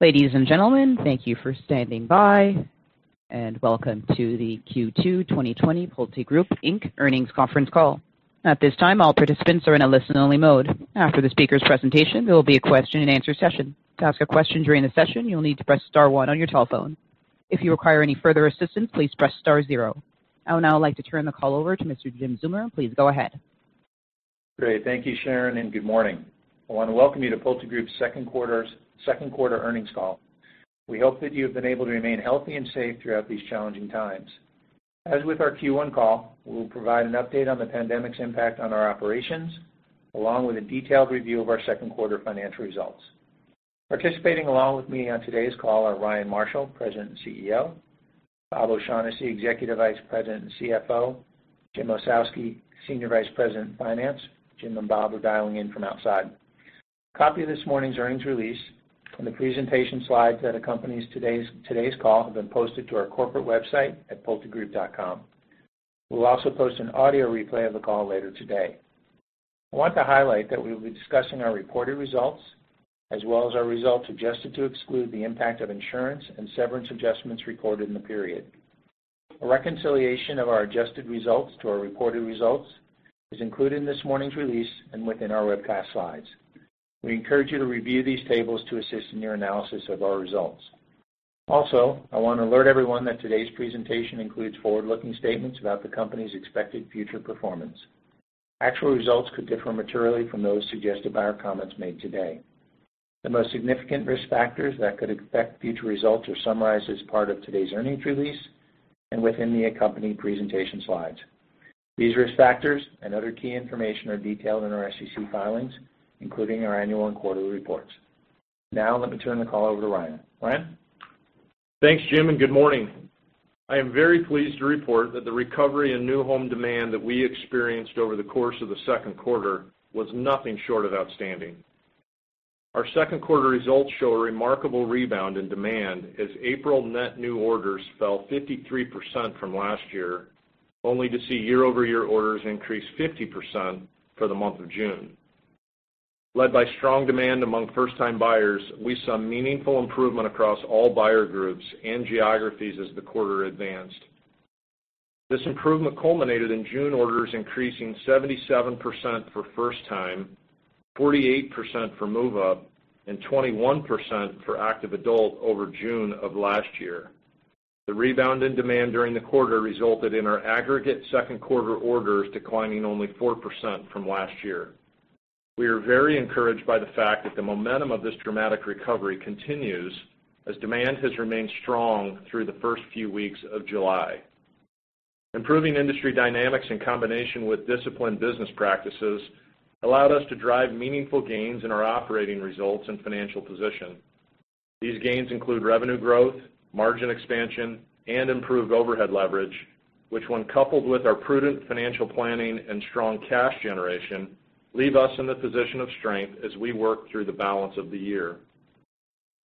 Ladies and gentlemen, thank you for standing by, and welcome to the Q2 2020 PulteGroup, Inc. Earnings Conference Call. At this time, all participants are in a listen-only mode. After the speaker's presentation, there will be a question-and-answer session. To ask a question during the session, you'll need to press star one on your telephone. If you require any further assistance, please press star zero. I would now like to turn the call over to Mr. Jim Zeumer. Please go ahead. Great. Thank you, Sharon, and good morning. I want to welcome you to PulteGroup's second quarter earnings call. We hope that you've been able to remain healthy and safe throughout these challenging times. As with our Q1 call, we will provide an update on the pandemic's impact on our operations, along with a detailed review of our second quarter financial results. Participating along with me on today's call are Ryan Marshall, President and CEO, Bob O'Shaughnessy, Executive Vice President and CFO, Jim Ossowski, Senior Vice President of Finance. Jim and Bob are dialing in from outside. A copy of this morning's earnings release and the presentation slides that accompanies today's call have been posted to our corporate website at pultegroup.com. We'll also post an audio replay of the call later today. I want to highlight that we will be discussing our reported results, as well as our results adjusted to exclude the impact of insurance and severance adjustments recorded in the period. A reconciliation of our adjusted results to our reported results is included in this morning's release and within our webcast slides. We encourage you to review these tables to assist in your analysis of our results. Also, I want to alert everyone that today's presentation includes forward-looking statements about the company's expected future performance. Actual results could differ materially from those suggested by our comments made today. The most significant risk factors that could affect future results are summarized as part of today's earnings release and within the accompanying presentation slides. These risk factors and other key information are detailed in our SEC filings, including our annual and quarterly reports. Now, let me turn the call over to Ryan. Ryan? Thanks, Jim, and good morning. I am very pleased to report that the recovery in new home demand that we experienced over the course of the second quarter was nothing short of outstanding. Our second quarter results show a remarkable rebound in demand as April net new orders fell 53% from last year, only to see year-over-year orders increase 50% for the month of June. Led by strong demand among first-time buyers, we saw meaningful improvement across all buyer groups and geographies as the quarter advanced. This improvement culminated in June orders increasing 77% for first-time, 48% for move-up, and 21% for active adult over June of last year. The rebound in demand during the quarter resulted in our aggregate second-quarter orders declining only 4% from last year. We are very encouraged by the fact that the momentum of this dramatic recovery continues as demand has remained strong through the first few weeks of July. Improving industry dynamics in combination with disciplined business practices allowed us to drive meaningful gains in our operating results and financial position. These gains include revenue growth, margin expansion, and improved overhead leverage, which when coupled with our prudent financial planning and strong cash generation, leave us in a position of strength as we work through the balance of the year.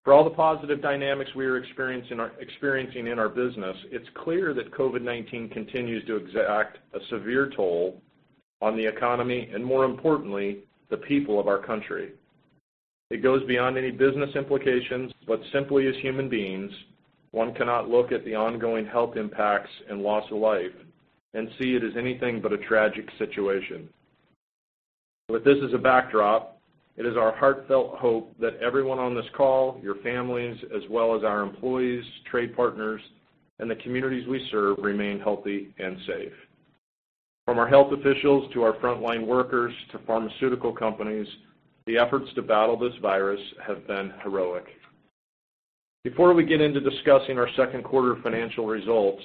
For all the positive dynamics we are experiencing in our business, it's clear that COVID-19 continues to exact a severe toll on the economy, and more importantly, the people of our country. It goes beyond any business implications, but simply as human beings, one cannot look at the ongoing health impacts and loss of life and see it as anything but a tragic situation. With this as a backdrop, it is our heartfelt hope that everyone on this call, your families, as well as our employees, trade partners, and the communities we serve, remain healthy and safe. From our health officials to our frontline workers to pharmaceutical companies, the efforts to battle this virus have been heroic. Before we get into discussing our second-quarter financial results,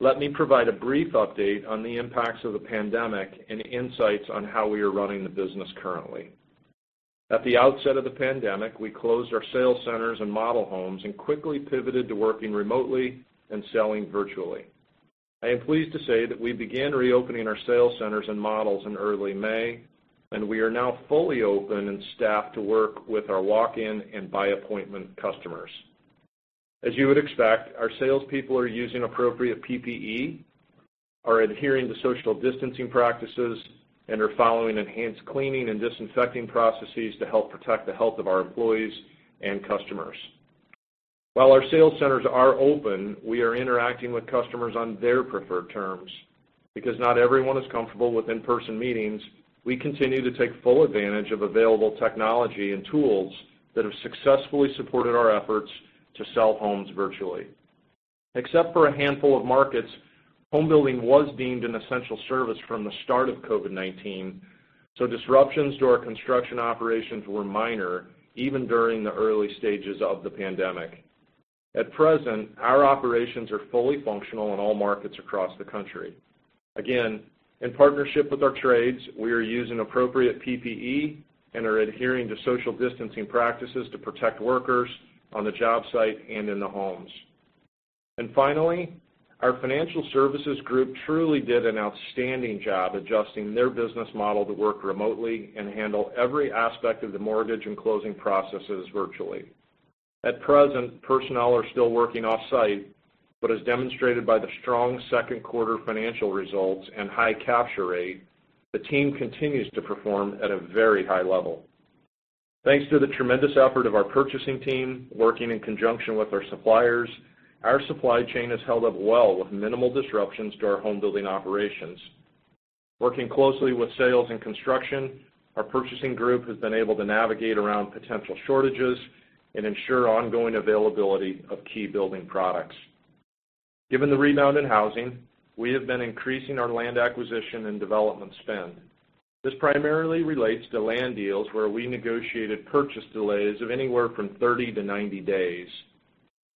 let me provide a brief update on the impacts of the pandemic and insights on how we are running the business currently. At the outset of the pandemic, we closed our sales centers and model homes and quickly pivoted to working remotely and selling virtually. I am pleased to say that we began reopening our sales centers and models in early May, and we are now fully open and staffed to work with our walk-in and by-appointment customers. As you would expect, our salespeople are using appropriate PPE, are adhering to social distancing practices, and are following enhanced cleaning and disinfecting processes to help protect the health of our employees and customers. While our sales centers are open, we are interacting with customers on their preferred terms. Because not everyone is comfortable with in-person meetings, we continue to take full advantage of available technology and tools that have successfully supported our efforts to sell homes virtually. Except for a handful of markets, home building was deemed an essential service from the start of COVID-19, so disruptions to our construction operations were minor, even during the early stages of the pandemic. At present, our operations are fully functional in all markets across the country. Again, in partnership with our trades, we are using appropriate PPE and are adhering to social distancing practices to protect workers on the job site and in the homes. Finally, our financial services group truly did an outstanding job adjusting their business model to work remotely and handle every aspect of the mortgage and closing processes virtually. At present, personnel are still working off-site, but as demonstrated by the strong second quarter financial results and high capture rate, the team continues to perform at a very high level. Thanks to the tremendous effort of our purchasing team working in conjunction with our suppliers, our supply chain has held up well with minimal disruptions to our home building operations. Working closely with sales and construction, our purchasing group has been able to navigate around potential shortages and ensure ongoing availability of key building products. Given the rebound in housing, we have been increasing our land acquisition and development spend. This primarily relates to land deals where we negotiated purchase delays of anywhere from 30-90 days.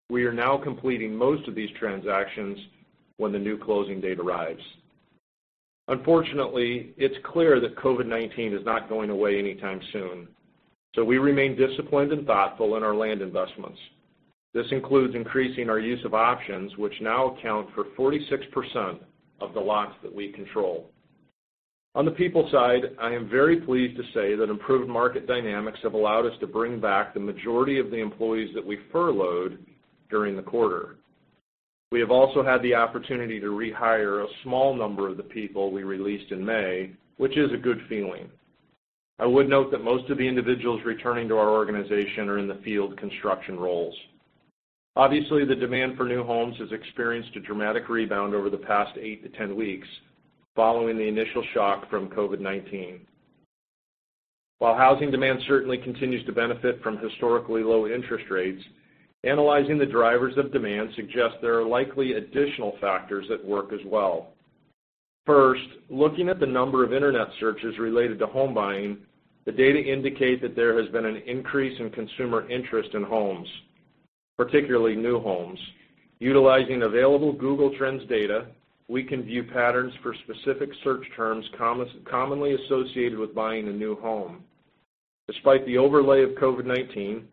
We are now completing most of these transactions when the new closing date arrives. Unfortunately, it's clear that COVID-19 is not going away anytime soon, we remain disciplined and thoughtful in our land investments. This includes increasing our use of options, which now account for 46% of the lots that we control. On the people side, I am very pleased to say that improved market dynamics have allowed us to bring back the majority of the employees that we furloughed during the quarter. We have also had the opportunity to rehire a small number of the people we released in May, which is a good feeling. I would note that most of the individuals returning to our organization are in the field construction roles. Obviously, the demand for new homes has experienced a dramatic rebound over the past eight to 10 weeks following the initial shock from COVID-19. While housing demand certainly continues to benefit from historically low interest rates, analyzing the drivers of demand suggests there are likely additional factors at work as well. First, looking at the number of internet searches related to home buying, the data indicate that there has been an increase in consumer interest in homes, particularly new homes. Utilizing available Google Trends data, we can view patterns for specific search terms commonly associated with buying a new home. Despite the overlay of COVID-19,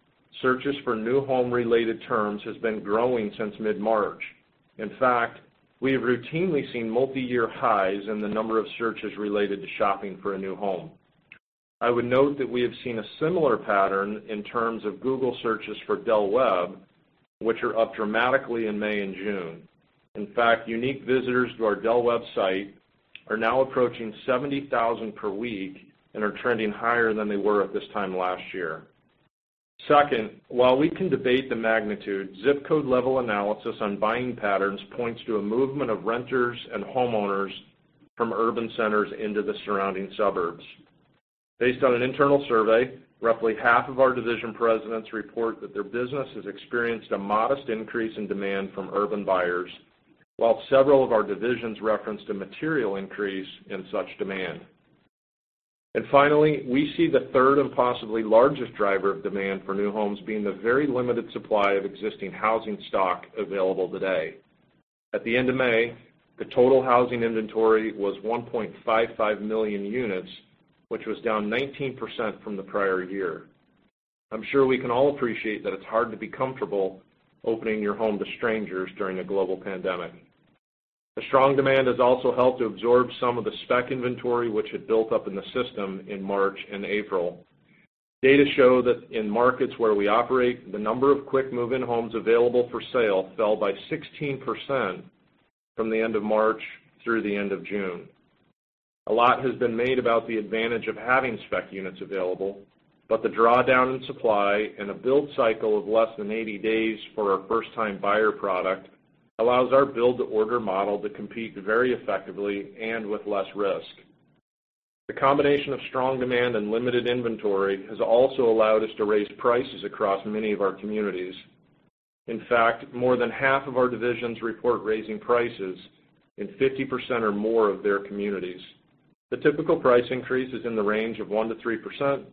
searches for new home-related terms has been growing since mid-March. In fact, we have routinely seen multiyear highs in the number of searches related to shopping for a new home. I would note that we have seen a similar pattern in terms of Google searches for Del Webb, which are up dramatically in May and June. In fact, unique visitors to our Del Webb site are now approaching 70,000 per week and are trending higher than they were at this time last year. Second, while we can debate the magnitude, zip code-level analysis on buying patterns points to a movement of renters and homeowners from urban centers into the surrounding suburbs. Based on an internal survey, roughly half of our division presidents report that their business has experienced a modest increase in demand from urban buyers, while several of our divisions referenced a material increase in such demand. Finally, we see the third and possibly largest driver of demand for new homes being the very limited supply of existing housing stock available today. At the end of May, the total housing inventory was 1.55 million units, which was down 19% from the prior year. I'm sure we can all appreciate that it's hard to be comfortable opening your home to strangers during a global pandemic. The strong demand has also helped to absorb some of the spec inventory which had built up in the system in March and April. Data show that in markets where we operate, the number of quick move-in homes available for sale fell by 16% from the end of March through the end of June. A lot has been made about the advantage of having spec units available, but the drawdown in supply and a build cycle of less than 80 days for our first-time buyer product allows our build-to-order model to compete very effectively and with less risk. The combination of strong demand and limited inventory has also allowed us to raise prices across many of our communities. In fact, more than half of our divisions report raising prices in 50% or more of their communities. The typical price increase is in the range of 1%-3%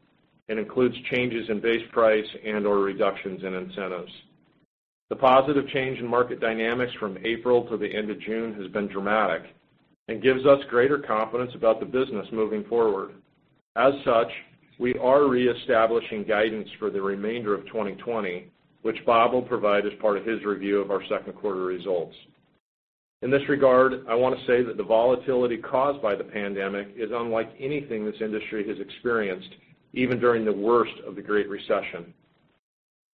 and includes changes in base price and/or reductions in incentives. The positive change in market dynamics from April to the end of June has been dramatic and gives us greater confidence about the business moving forward. As such, we are reestablishing guidance for the remainder of 2020, which Bob will provide as part of his review of our second quarter results. In this regard, I want to say that the volatility caused by the pandemic is unlike anything this industry has experienced, even during the worst of the Great Recession.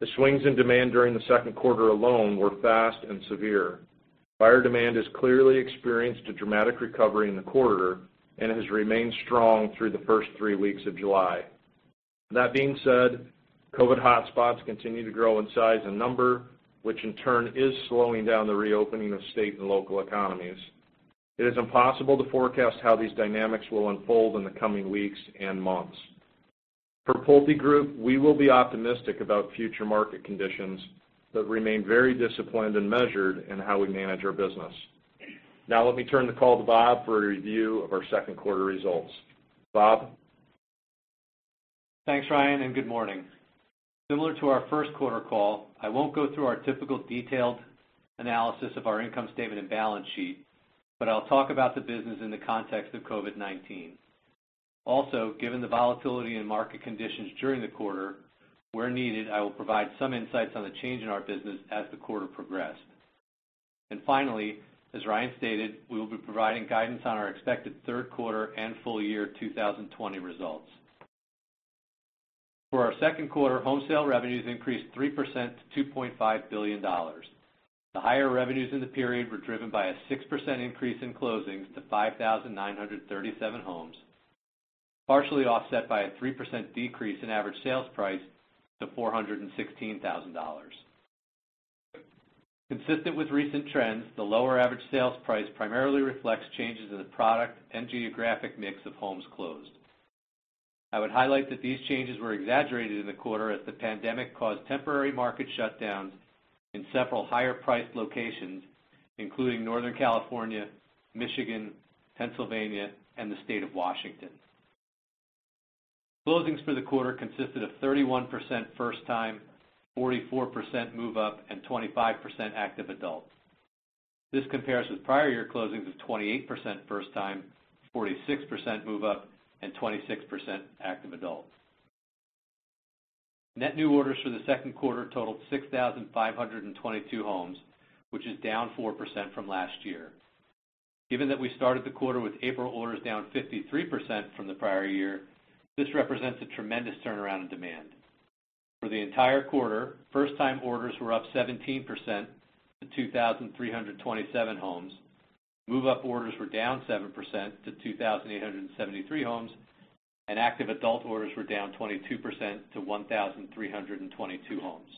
The swings in demand during the second quarter alone were fast and severe. Buyer demand has clearly experienced a dramatic recovery in the quarter and has remained strong through the first three weeks of July. That being said, COVID hotspots continue to grow in size and number, which in turn is slowing down the reopening of state and local economies. It is impossible to forecast how these dynamics will unfold in the coming weeks and months. For PulteGroup, we will be optimistic about future market conditions but remain very disciplined and measured in how we manage our business. Now let me turn the call to Bob for a review of our second quarter results. Bob? Thanks, Ryan, and good morning. Similar to our first quarter call, I won't go through our typical detailed analysis of our income statement and balance sheet, but I'll talk about the business in the context of COVID-19. Also, given the volatility in market conditions during the quarter, where needed, I will provide some insights on the change in our business as the quarter progressed. Finally, as Ryan stated, we will be providing guidance on our expected third quarter and full year 2020 results. For our second quarter, home sale revenues increased 3% to $2.5 billion. The higher revenues in the period were driven by a 6% increase in closings to 5,937 homes, partially offset by a 3% decrease in average sales price to $416,000. Consistent with recent trends, the lower average sales price primarily reflects changes in the product and geographic mix of homes closed. I would highlight that these changes were exaggerated in the quarter as the pandemic caused temporary market shutdowns in several higher-priced locations, including Northern California, Michigan, Pennsylvania, and the state of Washington. Closings for the quarter consisted of 31% First-Time, 44% Move-Up, and 25% Active Adult. This compares with prior year closings of 28% First-Time, 46% Move-Up, and 26% Active Adult. Net new orders for the second quarter totaled 6,522 homes, which is down 4% from last year. Given that we started the quarter with April orders down 53% from the prior year, this represents a tremendous turnaround in demand. For the entire quarter, First-Time orders were up 17% to 2,327 homes, Move-Up orders were down 7% to 2,873 homes, and Active Adult orders were down 22% to 1,322 homes.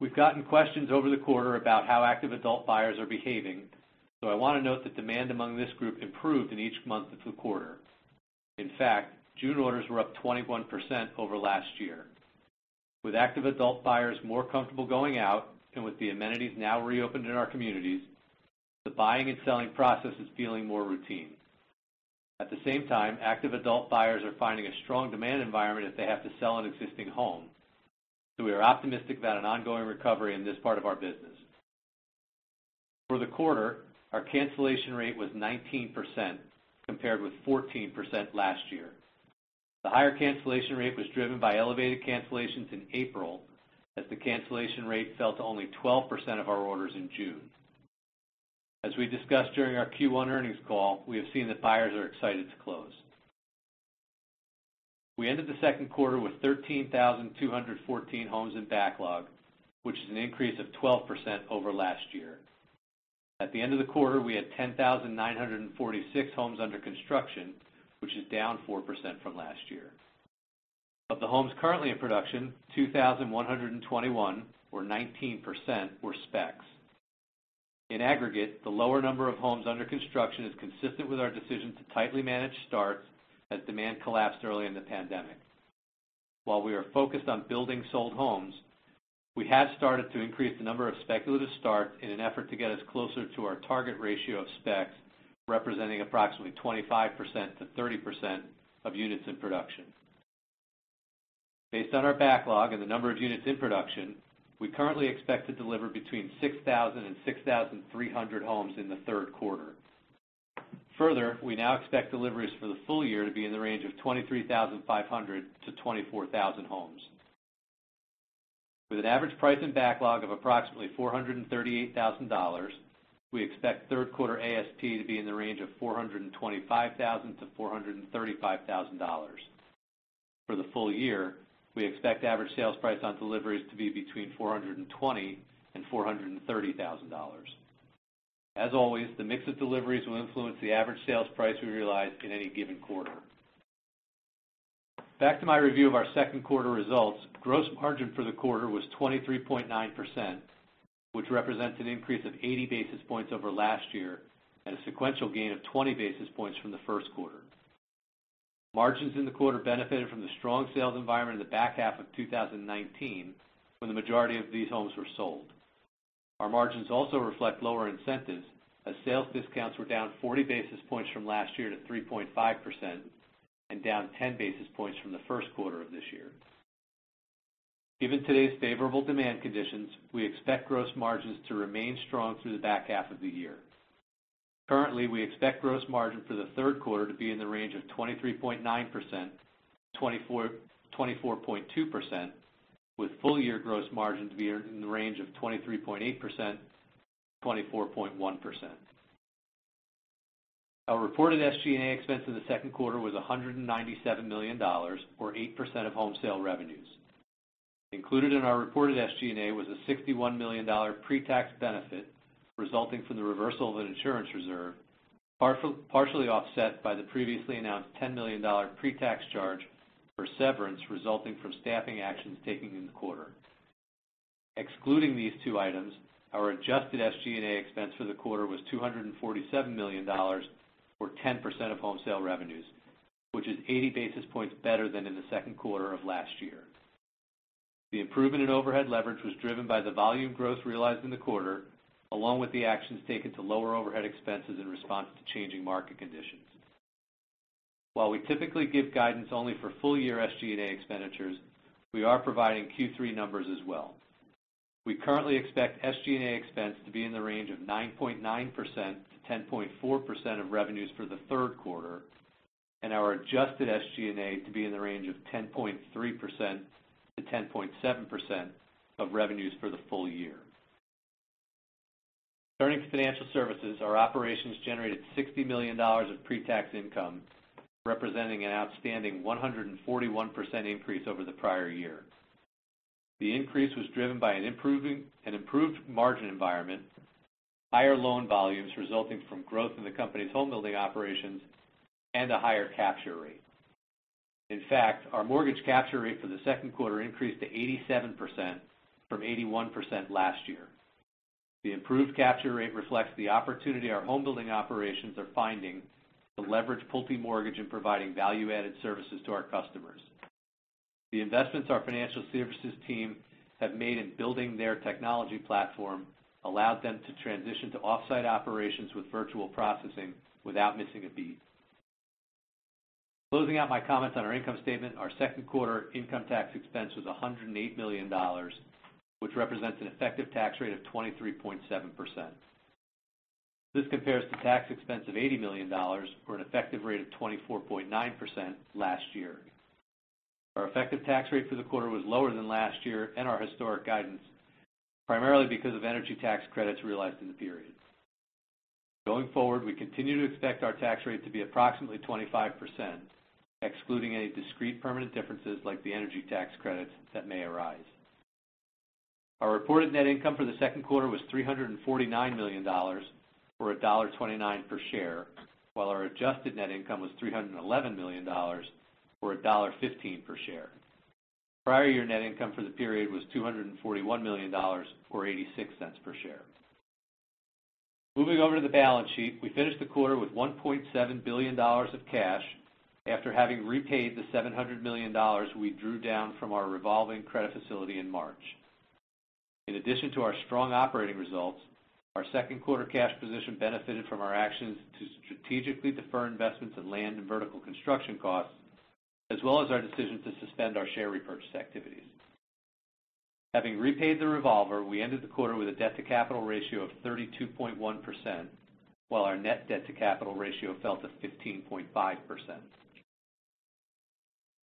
We've gotten questions over the quarter about how Active Adult buyers are behaving, so I want to note that demand among this group improved in each month of the quarter. In fact, June orders were up 21% over last year. With Active Adult buyers more comfortable going out and with the amenities now reopened in our communities, the buying and selling process is feeling more routine. At the same time, Active Adult buyers are finding a strong demand environment if they have to sell an existing home. We are optimistic about an ongoing recovery in this part of our business. For the quarter, our cancellation rate was 19%, compared with 14% last year. The higher cancellation rate was driven by elevated cancellations in April, as the cancellation rate fell to only 12% of our orders in June. As we discussed during our Q1 earnings call, we have seen that buyers are excited to close. We ended the second quarter with 13,214 homes in backlog, which is an increase of 12% over last year. At the end of the quarter, we had 10,946 homes under construction, which is down 4% from last year. Of the homes currently in production, 2,121 or 19% were specs. In aggregate, the lower number of homes under construction is consistent with our decision to tightly manage starts as demand collapsed early in the pandemic. While we are focused on building sold homes, we have started to increase the number of speculative starts in an effort to get us closer to our target ratio of specs, representing approximately 25%-30% of units in production. Based on our backlog and the number of units in production, we currently expect to deliver between 6,000 and 6,300 homes in the third quarter. Further, we now expect deliveries for the full year to be in the range of 23,500 homes-24,000 homes. With an average price in backlog of approximately $438,000, we expect third quarter ASP to be in the range of $425,000-$435,000. For the full year, we expect average sales price on deliveries to be between $420,000 and $430,000. As always, the mix of deliveries will influence the average sales price we realize in any given quarter. Back to my review of our second quarter results. Gross margin for the quarter was 23.9%, which represents an increase of 80 basis points over last year and a sequential gain of 20 basis points from the first quarter. Margins in the quarter benefited from the strong sales environment in the back half of 2019, when the majority of these homes were sold. Our margins also reflect lower incentives, as sales discounts were down 40 basis points from last year to 3.5% and down 10 basis points from the first quarter of this year. Given today's favorable demand conditions, we expect gross margins to remain strong through the back half of the year. Currently, we expect gross margin for the third quarter to be in the range of 23.9%-24.2%, with full-year gross margin to be in the range of 23.8%-24.1%. Our reported SG&A expense in the second quarter was $197 million, or 8% of home sale revenues. Included in our reported SG&A was a $61 million pre-tax benefit resulting from the reversal of an insurance reserve, partially offset by the previously announced $10 million pre-tax charge for severance resulting from staffing actions taken in the quarter. Excluding these two items, our adjusted SG&A expense for the quarter was $247 million, or 10% of home sale revenues, which is 80 basis points better than in the second quarter of last year. The improvement in overhead leverage was driven by the volume growth realized in the quarter, along with the actions taken to lower overhead expenses in response to changing market conditions. While we typically give guidance only for full-year SG&A expenditures, we are providing Q3 numbers as well. We currently expect SG&A expense to be in the range of 9.9%-10.4% of revenues for the third quarter, and our adjusted SG&A to be in the range of 10.3%-10.7% of revenues for the full year. Turning to financial services, our operations generated $60 million of pre-tax income, representing an outstanding 141% increase over the prior year. The increase was driven by an improved margin environment, higher loan volumes resulting from growth in the company's home building operations, and a higher capture rate. In fact, our mortgage capture rate for the second quarter increased to 87% from 81% last year. The improved capture rate reflects the opportunity our home building operations are finding to leverage Pulte Mortgage in providing value-added services to our customers. The investments our Financial Services team have made in building their technology platform allowed them to transition to off-site operations with virtual processing without missing a beat. Closing out my comments on our income statement, our second quarter income tax expense was $108 million, which represents an effective tax rate of 23.7%. This compares to tax expense of $80 million for an effective rate of 24.9% last year. Our effective tax rate for the quarter was lower than last year and our historic guidance, primarily because of energy tax credits realized in the period. Going forward, we continue to expect our tax rate to be approximately 25%, excluding any discrete permanent differences like the energy tax credits that may arise. Our reported net income for the second quarter was $349 million or $1.29 per share, while our adjusted net income was $311 million or $1.15 per share. Prior year net income for the period was $241 million or $0.86 per share. Moving over to the balance sheet, we finished the quarter with $1.7 billion of cash after having repaid the $700 million we drew down from our revolving credit facility in March. In addition to our strong operating results, our second quarter cash position benefited from our actions to strategically defer investments in land and vertical construction costs, as well as our decision to suspend our share repurchase activities. Having repaid the revolver, we ended the quarter with a debt-to-capital ratio of 32.1%, while our net debt-to-capital ratio fell to 15.5%.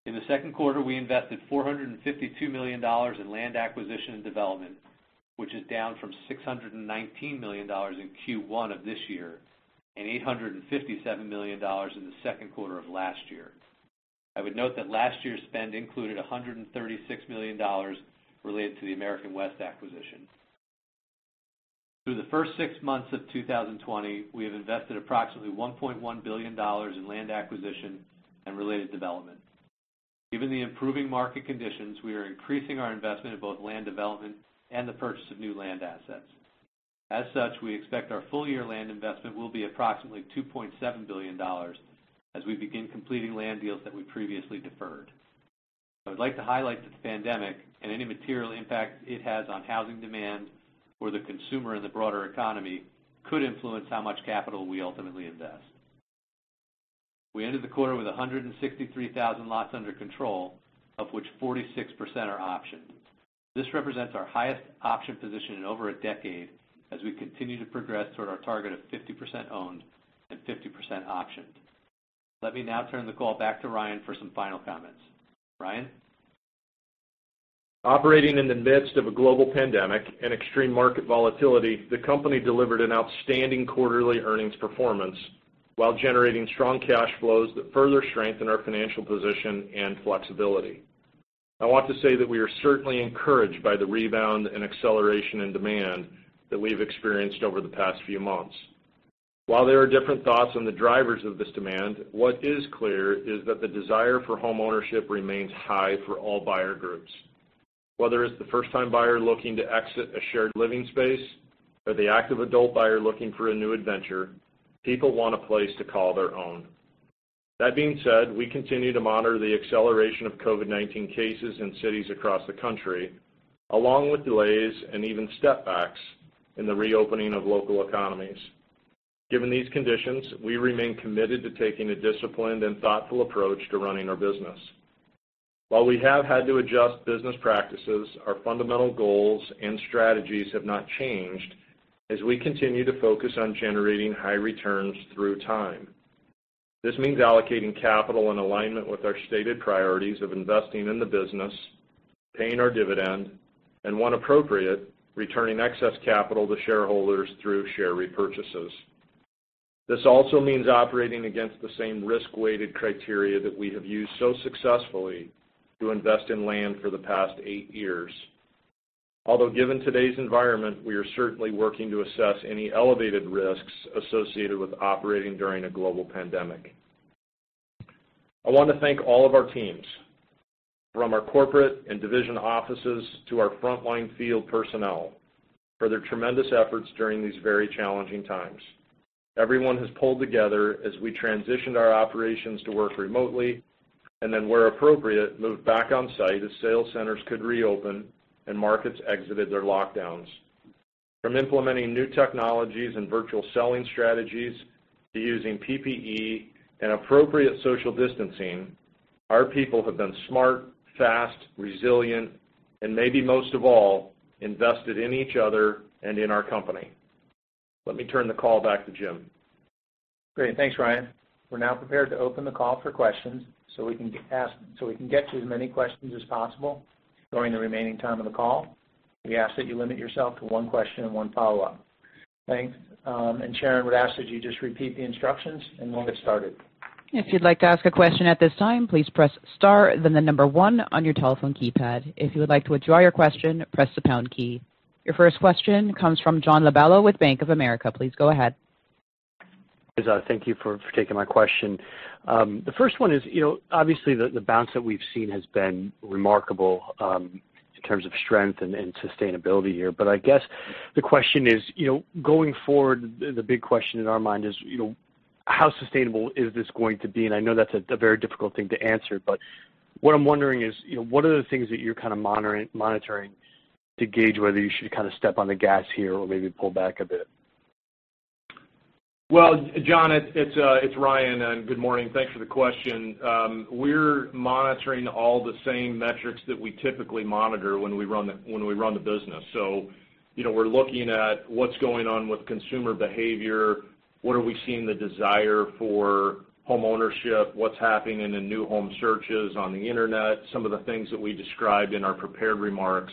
In the second quarter, we invested $452 million in land acquisition and development, which is down from $619 million in Q1 of this year and $857 million in the second quarter of last year. I would note that last year's spend included $136 million related to the American West acquisition. Through the first six months of 2020, we have invested approximately $1.1 billion in land acquisition and related development. Given the improving market conditions, we are increasing our investment in both land development and the purchase of new land assets. As such, we expect our full year land investment will be approximately $2.7 billion as we begin completing land deals that we previously deferred. I would like to highlight that the pandemic and any material impact it has on housing demand or the consumer and the broader economy could influence how much capital we ultimately invest. We ended the quarter with 163,000 lots under control, of which 46% are optioned. This represents our highest option position in over a decade as we continue to progress toward our target of 50% owned and 50% optioned. Let me now turn the call back to Ryan for some final comments. Ryan? Operating in the midst of a global pandemic and extreme market volatility, the company delivered an outstanding quarterly earnings performance while generating strong cash flows that further strengthen our financial position and flexibility. I want to say that we are certainly encouraged by the rebound and acceleration in demand that we've experienced over the past few months. While there are different thoughts on the drivers of this demand, what is clear is that the desire for homeownership remains high for all buyer groups. Whether it's the first-time buyer looking to exit a shared living space or the active adult buyer looking for a new adventure, people want a place to call their own. That being said, we continue to monitor the acceleration of COVID-19 cases in cities across the country, along with delays and even step backs in the reopening of local economies. Given these conditions, we remain committed to taking a disciplined and thoughtful approach to running our business. While we have had to adjust business practices, our fundamental goals and strategies have not changed as we continue to focus on generating high returns through time. This means allocating capital in alignment with our stated priorities of investing in the business, paying our dividend, and when appropriate, returning excess capital to shareholders through share repurchases. This also means operating against the same risk-weighted criteria that we have used so successfully to invest in land for the past eight years. Although given today's environment, we are certainly working to assess any elevated risks associated with operating during a global pandemic. I want to thank all of our teams, from our corporate and division offices to our frontline field personnel, for their tremendous efforts during these very challenging times. Everyone has pulled together as we transitioned our operations to work remotely, and then where appropriate, moved back on-site as sales centers could reopen and markets exited their lockdowns. From implementing new technologies and virtual selling strategies to using PPE and appropriate social distancing, our people have been smart, fast, resilient, and maybe most of all, invested in each other and in our company. Let me turn the call back to Jim. Great. Thanks, Ryan. We're now prepared to open the call for questions, so we can get to as many questions as possible during the remaining time of the call. We ask that you limit yourself to one question and one follow-up. Thanks. Sharon would ask that you just repeat the instructions, and we'll get started. If you'd like to ask a question at this time, please press star then the number one on your telephone keypad. If you would like to withdraw your question, press the pound key. Your first question comes from John Lovallo with Bank of America. Please go ahead. Thank you for taking my question. The first one is, obviously, the bounce that we've seen has been remarkable in terms of strength and sustainability here. I guess the question is, going forward, the big question in our mind is how sustainable is this going to be? I know that's a very difficult thing to answer. What I'm wondering is, what are the things that you're kind of monitoring to gauge whether you should kind of step on the gas here or maybe pull back a bit? Well, John, it's Ryan, and good morning. Thanks for the question. We're monitoring all the same metrics that we typically monitor when we run the business. We're looking at what's going on with consumer behavior, what are we seeing the desire for home ownership, what's happening in the new home searches on the Internet, some of the things that we described in our prepared remarks.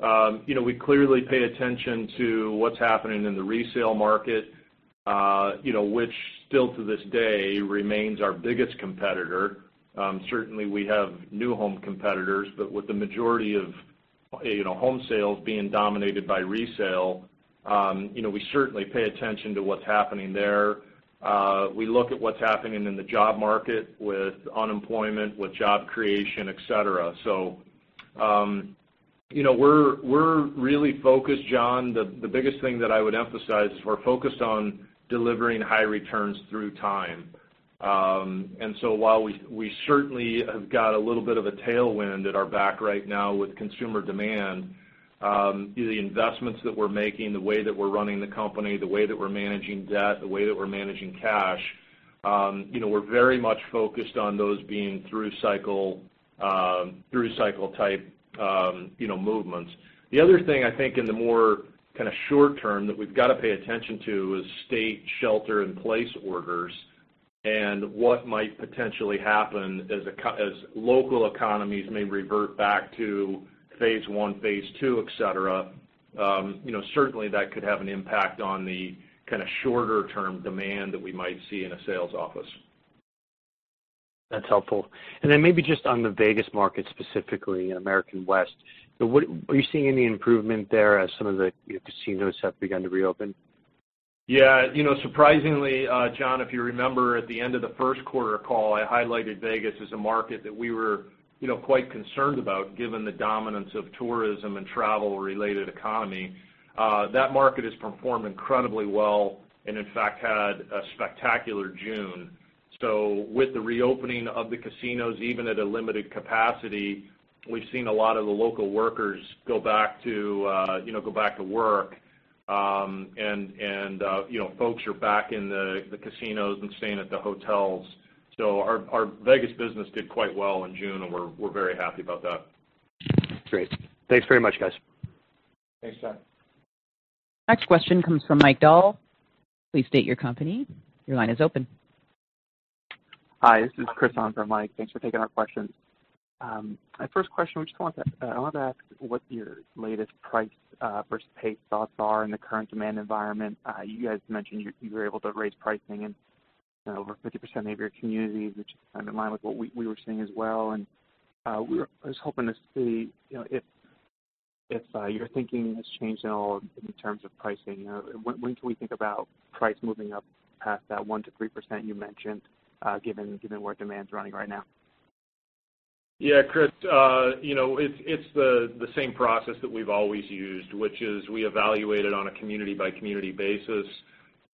We clearly pay attention to what's happening in the resale market, which still to this day remains our biggest competitor. Certainly, we have new home competitors, but with the majority of home sales being dominated by resale, we certainly pay attention to what's happening there. We look at what's happening in the job market with unemployment, with job creation, et cetera. We're really focused, John. The biggest thing that I would emphasize is we're focused on delivering high returns through time. While we certainly have got a little bit of a tailwind at our back right now with consumer demand, the investments that we're making, the way that we're running the company, the way that we're managing debt, the way that we're managing cash, we're very much focused on those being through cycle type movements. The other thing I think in the more kind of short-term that we've got to pay attention to is state shelter in place orders and what might potentially happen as local economies may revert back to phase one, phase two, et cetera. Certainly, that could have an impact on the kind of shorter-term demand that we might see in a sales office. That's helpful. Then maybe just on the Vegas market, specifically in American West, are you seeing any improvement there as some of the casinos have begun to reopen? Yeah. Surprisingly, John, if you remember at the end of the first quarter call, I highlighted Vegas as a market that we were quite concerned about given the dominance of tourism and travel-related economy. That market has performed incredibly well and, in fact, had a spectacular June. With the reopening of the casinos, even at a limited capacity, we've seen a lot of the local workers go back to work. Folks are back in the casinos and staying at the hotels. Our Vegas business did quite well in June, and we're very happy about that. Great. Thanks very much, guys. Thanks, John. Next question comes from Mike Dahl. Please state your company. Your line is open. Hi, this is Chris on for Mike. Thanks for taking our questions. My first question, I wanted to ask what your latest price versus pace thoughts are in the current demand environment. You guys mentioned you were able to raise pricing in over 50% of your communities, which is kind of in line with what we were seeing as well. I was hoping to see if your thinking has changed at all in terms of pricing. When can we think about price moving up past that 1%-3% you mentioned given where demand's running right now? Yeah, Chris, it's the same process that we've always used, which is we evaluate it on a community-by-community basis,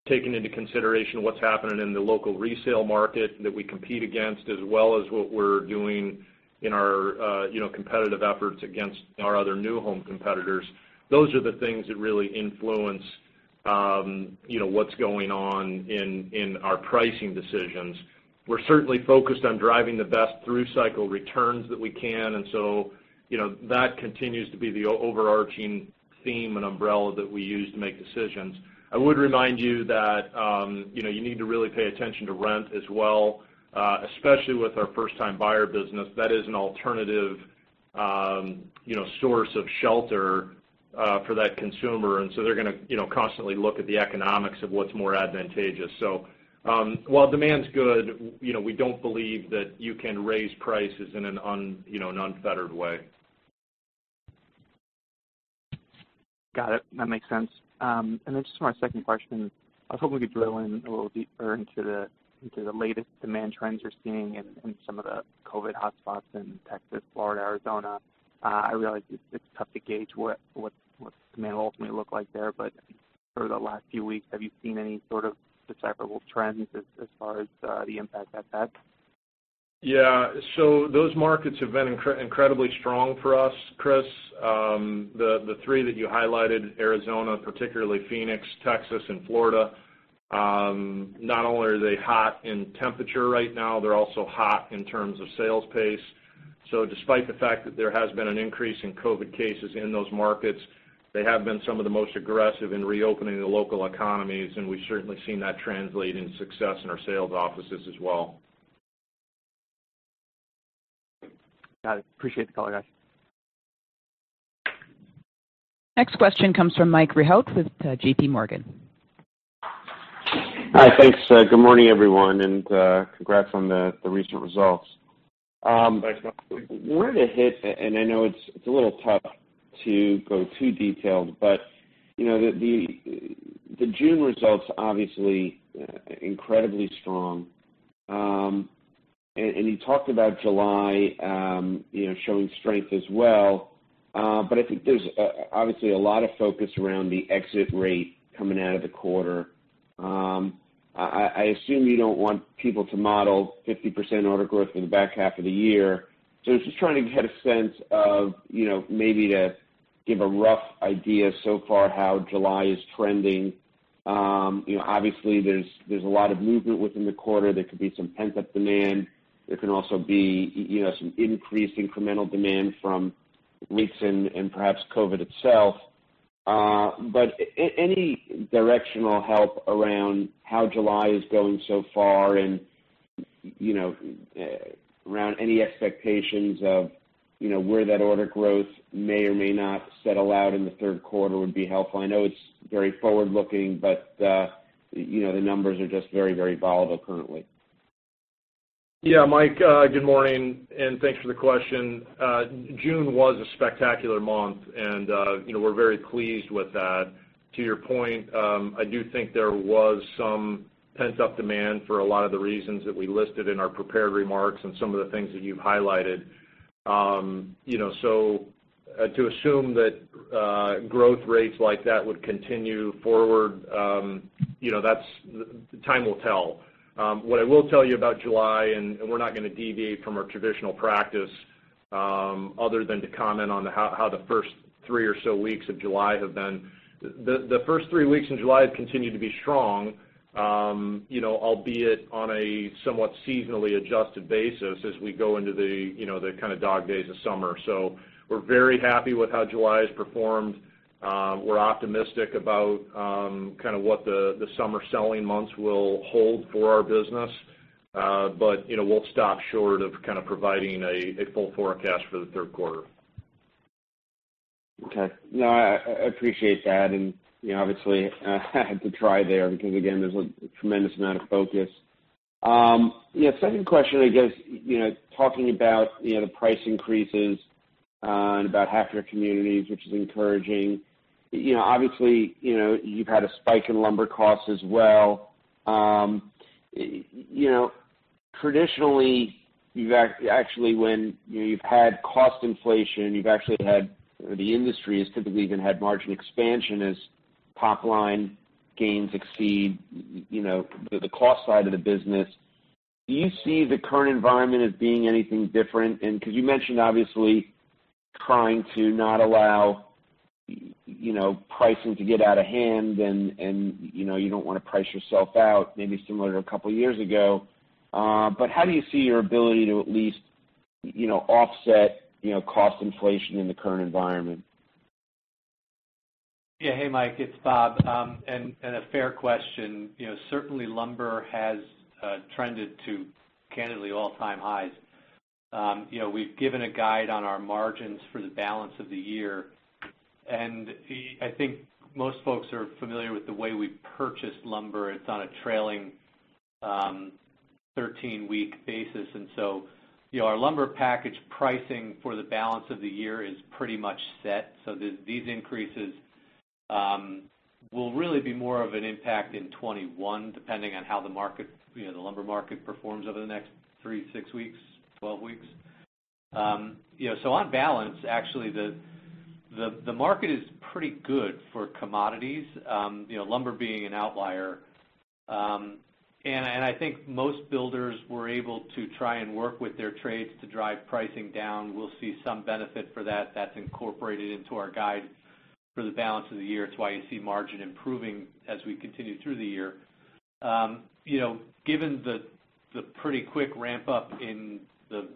taking into consideration what's happening in the local resale market that we compete against, as well as what we're doing in our competitive efforts against our other new home competitors. Those are the things that really influence what's going on in our pricing decisions. We're certainly focused on driving the best through-cycle returns that we can. That continues to be the overarching theme and umbrella that we use to make decisions. I would remind you that you need to really pay attention to rent as well, especially with our first-time buyer business. That is an alternative source of shelter for that consumer. They're going to constantly look at the economics of what's more advantageous. While demand's good, we don't believe that you can raise prices in an unfettered way. Got it. That makes sense. Just for my second question, I was hoping we could drill in a little deeper into the latest demand trends you're seeing in some of the COVID hotspots in Texas, Florida, Arizona. I realize it's tough to gauge what demand will ultimately look like there, but for the last few weeks, have you seen any sort of decipherable trends as far as the impact that's had? Yeah. Those markets have been incredibly strong for us, Chris. The three that you highlighted, Arizona, particularly Phoenix, Texas, and Florida, not only are they hot in temperature right now, they're also hot in terms of sales pace. Despite the fact that there has been an increase in COVID cases in those markets, they have been some of the most aggressive in reopening the local economies, and we've certainly seen that translate in success in our sales offices as well. Got it. Appreciate the call, guys. Next question comes from Mike Rehaut with JPMorgan. Hi. Thanks. Good morning, everyone, and congrats on the recent results. Thanks, Mike. Where the hit, and I know it's a little tough to go too detailed, the June results, obviously incredibly strong. You talked about July showing strength as well. I think there's obviously a lot of focus around the exit rate coming out of the quarter. I assume you don't want people to model 50% order growth in the back half of the year. I was just trying to get a sense of, maybe to give a rough idea so far how July is trending. Obviously, there's a lot of movement within the quarter. There could be some pent-up demand. There can also be some increased incremental demand from leads and perhaps COVID itself. Any directional help around how July is going so far and around any expectations of where that order growth may or may not settle out in the third quarter would be helpful. I know it's very forward-looking, but the numbers are just very, very volatile currently. Yeah, Mike, good morning, thanks for the question. June was a spectacular month, we're very pleased with that. To your point, I do think there was some pent-up demand for a lot of the reasons that we listed in our prepared remarks and some of the things that you've highlighted. To assume that growth rates like that would continue forward, time will tell. What I will tell you about July, we're not going to deviate from our traditional practice other than to comment on how the first three or so weeks of July have been. The first three weeks in July have continued to be strong, albeit on a somewhat seasonally adjusted basis as we go into the kind of dog days of summer. We're very happy with how July has performed. We're optimistic about kind of what the summer selling months will hold for our business. We'll stop short of kind of providing a full forecast for the third quarter. Okay. No, I appreciate that. Obviously I had to try there because, again, there's a tremendous amount of focus. Yeah, second question, I guess, talking about the price increases in about half your communities, which is encouraging. Obviously, you've had a spike in lumber costs as well. Traditionally, actually, when you've had cost inflation, you've actually had, or the industry has typically even had margin expansion as top-line gains exceed the cost side of the business. Do you see the current environment as being anything different? Because you mentioned, obviously, trying to not allow pricing to get out of hand, and you don't want to price yourself out, maybe similar to a couple of years ago. How do you see your ability to at least offset cost inflation in the current environment? Hey, Mike, it's Bob. A fair question. Certainly, lumber has trended to, candidly, all-time highs. We've given a guide on our margins for the balance of the year, and I think most folks are familiar with the way we purchase lumber. It's on a trailing 13-week basis, and so our lumber package pricing for the balance of the year is pretty much set. These increases will really be more of an impact in 2021, depending on how the lumber market performs over the next three to six weeks, 12 weeks. On balance, actually, the market is pretty good for commodities, lumber being an outlier. I think most builders were able to try and work with their trades to drive pricing down. We'll see some benefit for that. That's incorporated into our guide for the balance of the year. It's why you see margin improving as we continue through the year. Given the pretty quick ramp-up in the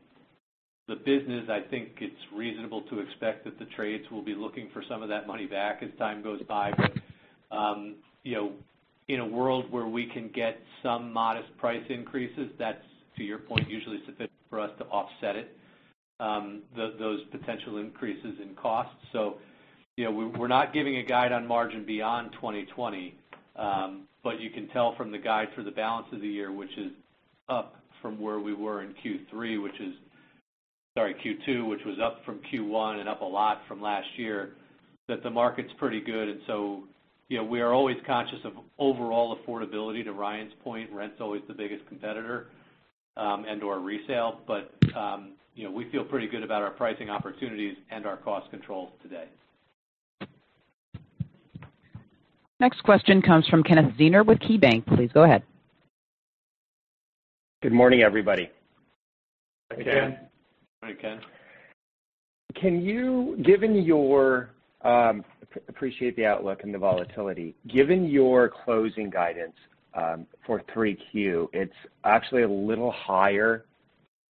business, I think it's reasonable to expect that the trades will be looking for some of that money back as time goes by. In a world where we can get some modest price increases, that's, to your point, usually sufficient for us to offset it, those potential increases in cost. We're not giving a guide on margin beyond 2020. You can tell from the guide for the balance of the year, which is up from where we were in Q2, which was up from Q1 and up a lot from last year, that the market's pretty good. We are always conscious of overall affordability. To Ryan's point, rent's always the biggest competitor, and/or resale. We feel pretty good about our pricing opportunities and our cost controls today. Next question comes from Kenneth Zener with KeyBank. Please go ahead. Good morning, everybody. Hi, Ken. Ken. Morning, Ken. Can you appreciate the outlook and the volatility. Given your closing guidance for 3Q, it's actually a little higher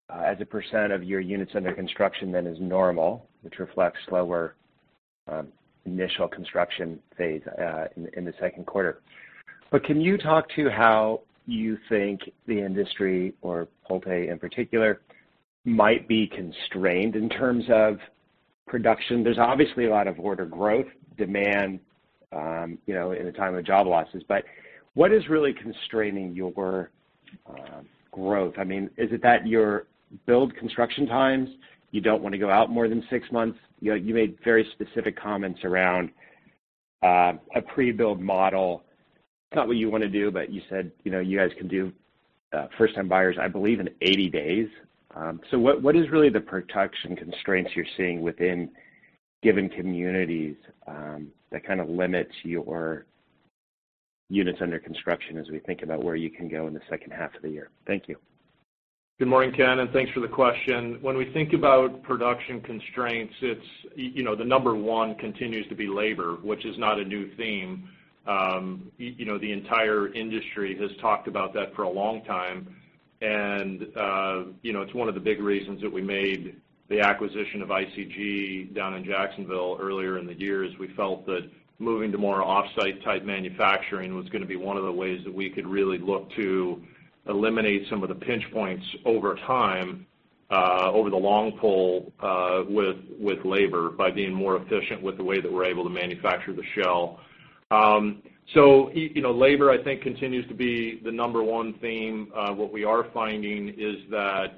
as a % of your units under construction than is normal, which reflects slower initial construction phase in the second quarter. Can you talk to how you think the industry or Pulte, in particular, might be constrained in terms of production? There's obviously a lot of order growth, demand in the time of job losses, but what is really constraining your growth? Is it that your build construction times, you don't want to go out more than six months? You made very specific comments around a pre-build model. It's not what you want to do, but you said you guys can do First-Time buyers, I believe, in 80 days. What is really the production constraints you're seeing within given communities that kind of limits your units under construction as we think about where you can go in the second half of the year? Thank you. Good morning, Ken. Thanks for the question. When we think about production constraints, the number one continues to be labor, which is not a new theme. The entire industry has talked about that for a long time, and it's one of the big reasons that we made the acquisition of ICG down in Jacksonville earlier in the year is we felt that moving to more off-site type manufacturing was going to be one of the ways that we could really look to eliminate some of the pinch points over time, over the long pull with labor by being more efficient with the way that we're able to manufacture the shell. Labor, I think, continues to be the number one theme. What we are finding is that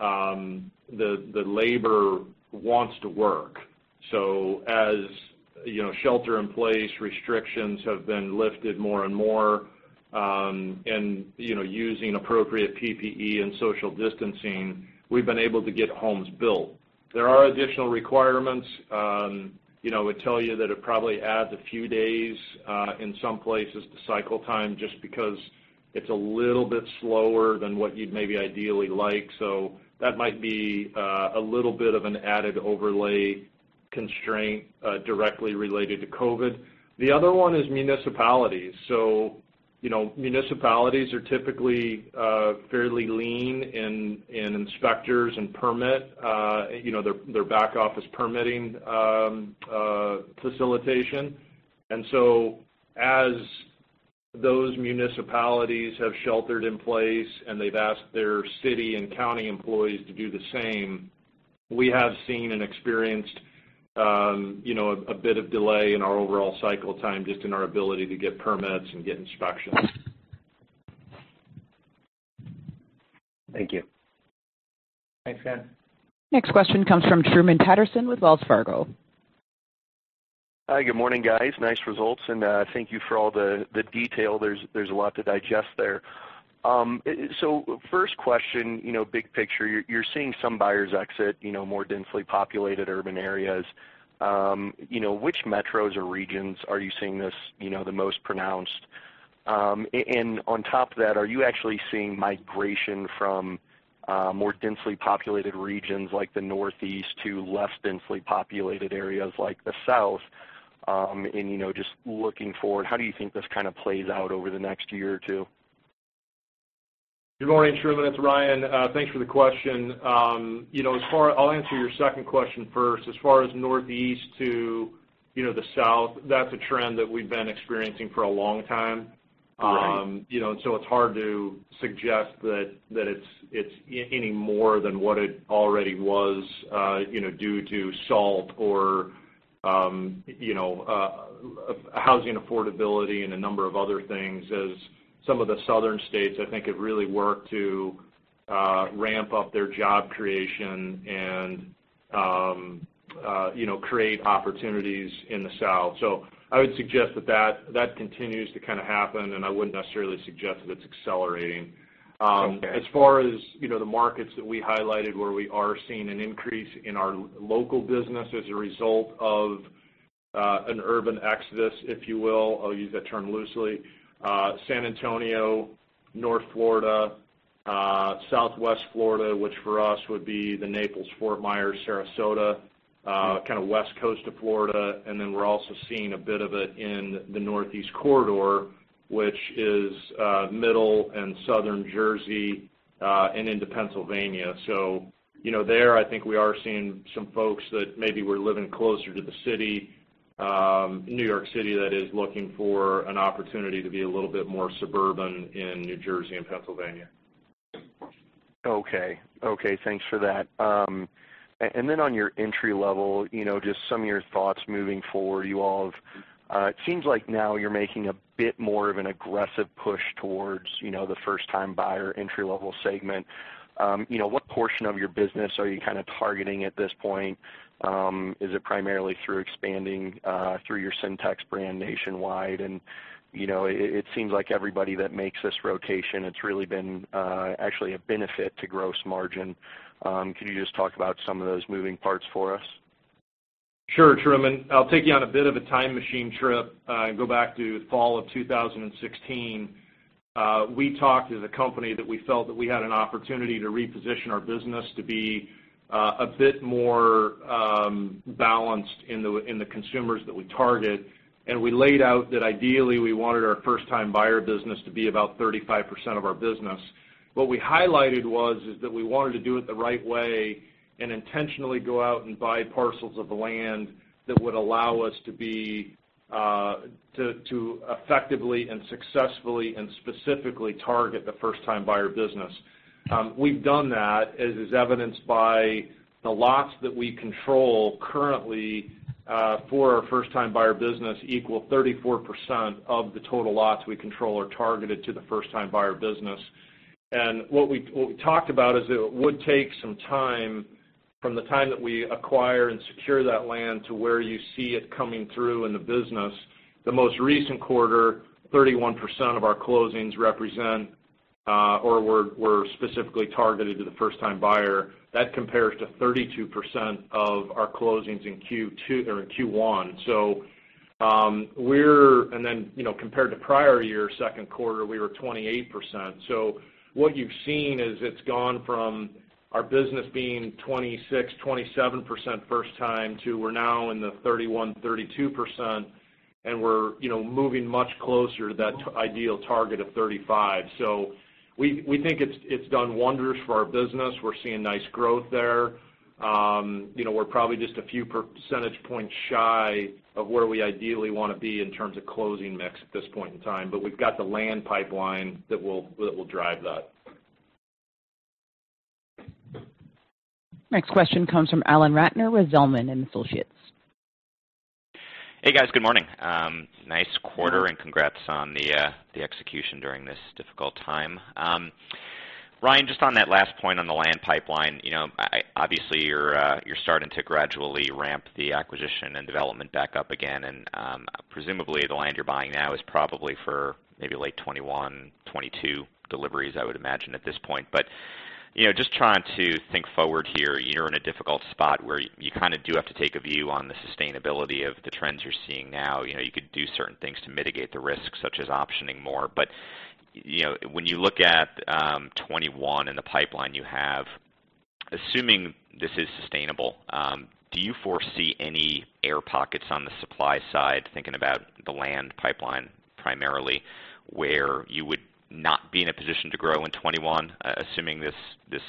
the labor wants to work. As shelter-in-place restrictions have been lifted more and more, and using appropriate PPE and social distancing, we've been able to get homes built. There are additional requirements. I would tell you that it probably adds a few days in some places to cycle time just because it's a little bit slower than what you'd maybe ideally like. That might be a little bit of an added overlay constraint directly related to COVID. The other one is municipalities. Municipalities are typically fairly lean in inspectors and permit, their back-office permitting facilitation. As those municipalities have sheltered in place and they've asked their city and county employees to do the same, we have seen and experienced a bit of delay in our overall cycle time, just in our ability to get permits and get inspections. Thank you. Thanks, Ken. Next question comes from Truman Patterson with Wells Fargo. Hi. Good morning, guys. Nice results, and thank you for all the detail. There's a lot to digest there. First question, big picture, you're seeing some buyers exit more densely populated urban areas. Which metros or regions are you seeing this the most pronounced? On top of that, are you actually seeing migration from more densely populated regions like the Northeast to less densely populated areas like the South? Just looking forward, how do you think this kind of plays out over the next year or two? Good morning, Truman, it's Ryan. Thanks for the question. I'll answer your second question first. As far as Northeast to the South, that's a trend that we've been experiencing for a long time. Right. It's hard to suggest that it's any more than what it already was due to SALT or housing affordability and a number of other things as some of the southern states, I think, have really worked to ramp up their job creation and create opportunities in the South. I would suggest that continues to kind of happen, and I wouldn't necessarily suggest that it's accelerating. Okay. As far as the markets that we highlighted where we are seeing an increase in our local business as a result of an urban exodus, if you will, I'll use that term loosely. San Antonio, North Florida, Southwest Florida, which for us would be the Naples, Fort Myers, Sarasota, kind of West Coast of Florida. Then we're also seeing a bit of it in the Northeast Corridor, which is middle and southern Jersey, and into Pennsylvania. There, I think we are seeing some folks that maybe were living closer to New York City that is looking for an opportunity to be a little bit more suburban in New Jersey and Pennsylvania. Okay. Thanks for that. Then on your entry level, just some of your thoughts moving forward. It seems like now you're making a bit more of an aggressive push towards the first-time buyer entry-level segment. What portion of your business are you kind of targeting at this point? Is it primarily through expanding through your Centex brand nationwide? It seems like everybody that makes this rotation, it's really been actually a benefit to gross margin. Can you just talk about some of those moving parts for us? Sure, Truman. I'll take you on a bit of a time machine trip, and go back to fall of 2016. We talked as a company that we felt that we had an opportunity to reposition our business to be a bit more balanced in the consumers that we target. We laid out that ideally we wanted our First-Time Buyer business to be about 35% of our business. What we highlighted was that we wanted to do it the right way, and intentionally go out and buy parcels of land that would allow us to effectively and successfully, and specifically target the First-Time Buyer business. We've done that, as is evidenced by the lots that we control currently for our First-Time Buyer business equal 34% of the total lots we control are targeted to the First-Time Buyer business. What we talked about is that it would take some time from the time that we acquire and secure that land to where you see it coming through in the business. The most recent quarter, 31% of our closings represent, or were specifically targeted to the First-Time Buyer. That compares to 32% of our closings in Q1. Then, compared to prior year second quarter, we were 28%. What you've seen is it's gone from our business being 26%, 27% First-Time to we're now in the 31%, 32%, and we're moving much closer to that ideal target of 35%. We think it's done wonders for our business. We're seeing nice growth there. We're probably just a few percentage points shy of where we ideally want to be in terms of closing mix at this point in time, but we've got the land pipeline that will drive that. Next question comes from Alan Ratner with Zelman & Associates. Hey, guys. Good morning. Nice quarter, and congrats on the execution during this difficult time. Ryan, just on that last point on the land pipeline. Obviously you're starting to gradually ramp the acquisition and development back up again, and presumably the land you're buying now is probably for maybe late 2021, 2022 deliveries, I would imagine at this point. Just trying to think forward here, you're in a difficult spot where you kind of do have to take a view on the sustainability of the trends you're seeing now. You could do certain things to mitigate the risk, such as optioning more. When you look at 2021 and the pipeline you have, assuming this is sustainable, do you foresee any air pockets on the supply side, thinking about the land pipeline primarily, where you would not be in a position to grow in 2021, assuming this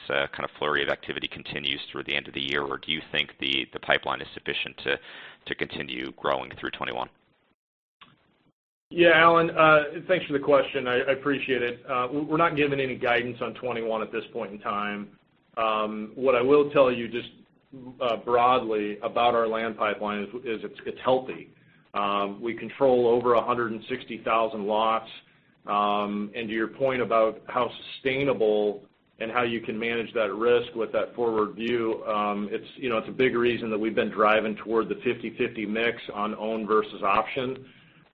kind of flurry of activity continues through the end of the year? Do you think the pipeline is sufficient to continue growing through 2021? Yeah, Alan. Thanks for the question. I appreciate it. We're not giving any guidance on 2021 at this point in time. What I will tell you just broadly about our land pipeline is it's healthy. We control over 160,000 lots. To your point about how sustainable and how you can manage that risk with that forward view, it's a big reason that we've been driving toward the 50/50 mix on owned versus optioned.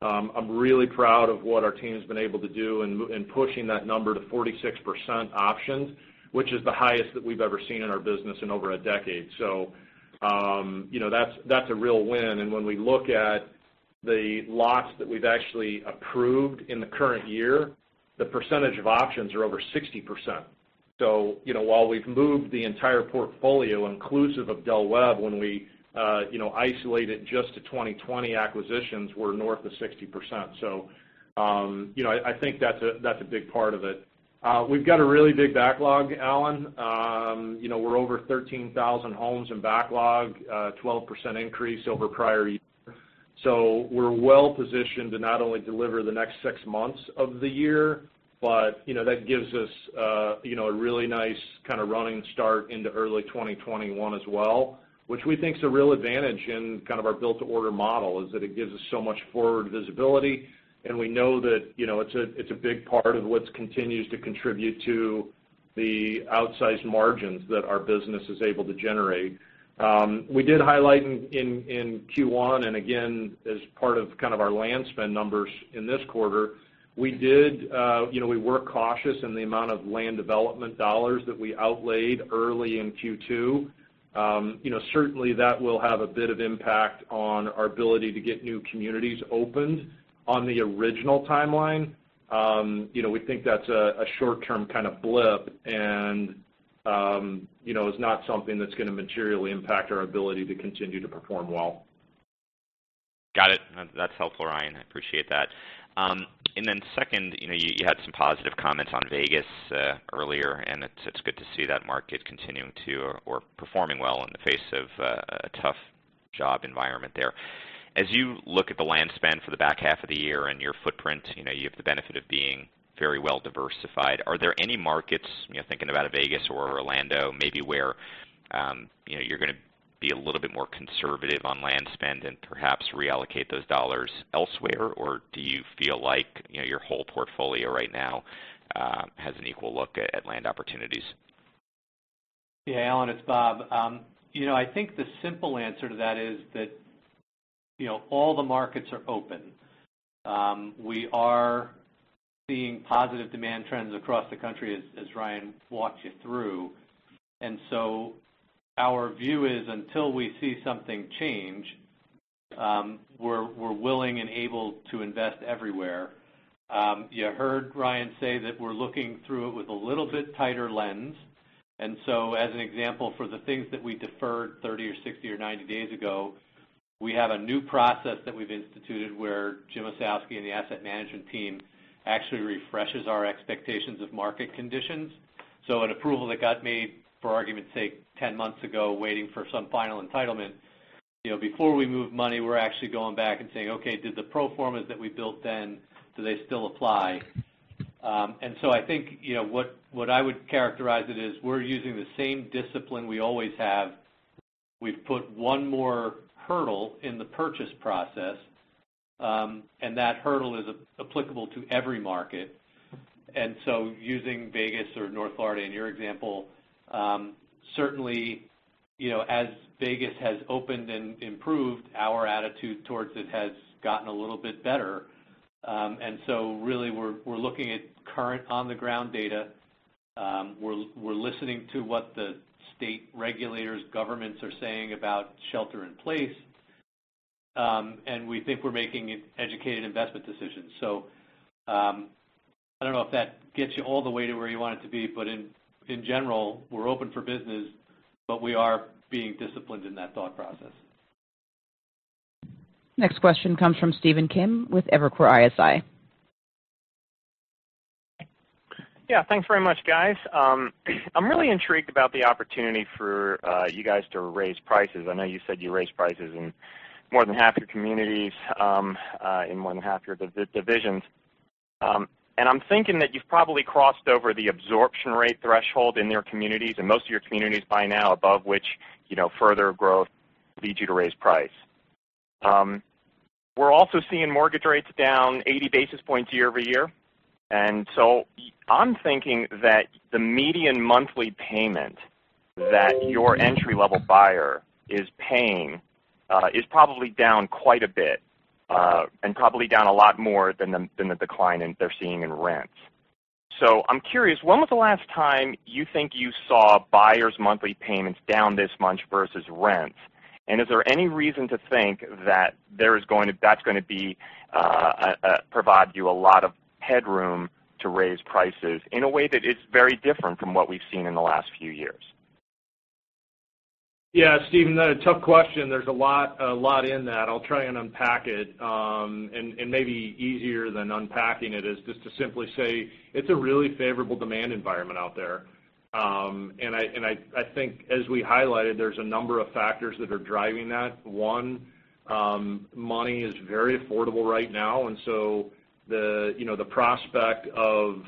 I'm really proud of what our team's been able to do in pushing that number to 46% optioned, which is the highest that we've ever seen in our business in over a decade. That's a real win, and when we look at the lots that we've actually approved in the current year, the percentage of options are over 60%. While we've moved the entire portfolio inclusive of Del Webb, when we isolate it just to 2020 acquisitions, we're north of 60%. I think that's a big part of it. We've got a really big backlog, Alan. We're over 13,000 homes in backlog, 12% increase over prior year. We're well-positioned to not only deliver the next six months of the year, but that gives us a really nice kind of running start into early 2021 as well, which we think is a real advantage in kind of our built-to-order model, is that it gives us so much forward visibility. We know that it's a big part of what continues to contribute to the outsized margins that our business is able to generate. We did highlight in Q1, and again, as part of kind of our land spend numbers in this quarter, we were cautious in the amount of land development dollars that we outlaid early in Q2. Certainly that will have a bit of impact on our ability to get new communities opened on the original timeline. We think that's a short-term kind of blip, and is not something that's going to materially impact our ability to continue to perform well. Got it. That's helpful, Ryan. I appreciate that. Then second, you had some positive comments on Vegas earlier, and it's good to see that market continuing to, or performing well in the face of a tough job environment there. As you look at the land spend for the back half of the year and your footprint, you have the benefit of being very well diversified. Are there any markets, thinking about Vegas or Orlando maybe, where you're going to be a little bit more conservative on land spend and perhaps reallocate those dollars elsewhere? Do you feel like your whole portfolio right now has an equal look at land opportunities? Yeah, Alan, it's Bob. I think the simple answer to that is that all the markets are open. We are seeing positive demand trends across the country, as Ryan walked you through. Our view is until we see something change, we're willing and able to invest everywhere. You heard Ryan say that we're looking through it with a little bit tighter lens. As an example, for the things that we deferred 30 or 60 or 90 days ago, we have a new process that we've instituted where Jim Ossowski and the asset management team actually refreshes our expectations of market conditions. An approval that got made, for argument's sake, 10 months ago, waiting for some final entitlement. Before we move money, we're actually going back and saying, "Okay, did the pro formas that we built then, do they still apply?" I think what I would characterize it is we're using the same discipline we always have. We've put one more hurdle in the purchase process, and that hurdle is applicable to every market. Using Vegas or North Florida in your example, certainly, as Vegas has opened and improved, our attitude towards it has gotten a little bit better. Really, we're looking at current on-the-ground data. We're listening to what the state regulators, governments are saying about shelter in place, and we think we're making educated investment decisions. I don't know if that gets you all the way to where you want it to be, but in general, we're open for business, but we are being disciplined in that thought process. Next question comes from Stephen Kim with Evercore ISI. Yeah. Thanks very much, guys. I'm really intrigued about the opportunity for you guys to raise prices. I know you said you raised prices in more than half your communities, in more than half your divisions. I'm thinking that you've probably crossed over the absorption rate threshold in your communities, in most of your communities by now, above which further growth leads you to raise price. We're also seeing mortgage rates down 80 basis points year-over-year. I'm thinking that the median monthly payment that your entry-level buyer is paying is probably down quite a bit, and probably down a lot more than the decline they're seeing in rents. I'm curious, when was the last time you think you saw buyers' monthly payments down this much versus rents? Is there any reason to think that that's going to provide you a lot of headroom to raise prices in a way that is very different from what we've seen in the last few years? Yeah, Stephen, another tough question. There's a lot in that. I'll try and unpack it. Maybe easier than unpacking it is just to simply say it's a really favorable demand environment out there. I think as we highlighted, there's a number of factors that are driving that. One, money is very affordable right now, the prospect of